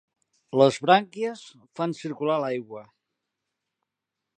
Les brànquies fan circular l'aigua.